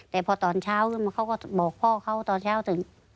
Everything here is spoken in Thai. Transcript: แต่พอตอนเช้าเขาก็บอกพ่อเขาตอนเช้าถึง